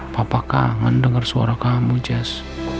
papa kangen denger suara kamu jess